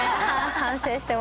反省してます。